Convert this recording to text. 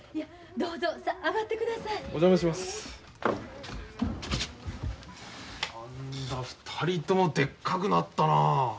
何だ２人ともでっかくなったなあ。